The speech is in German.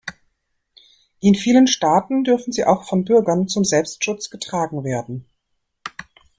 In vielen Staaten dürfen sie auch von Bürgern zum Selbstschutz getragen werden.